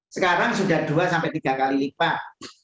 sekarang sudah dua tiga kali lipat